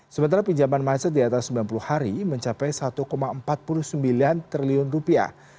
sementara pinjaman macet di atas sembilan puluh hari mencapai satu empat puluh sembilan triliun rupiah